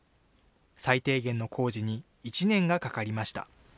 最低限の工事に１年がかかりました。